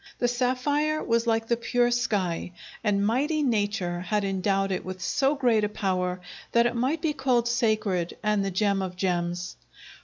The sapphire was like the pure sky, and mighty Nature had endowed it with so great a power that it might be called sacred and the gem of gems.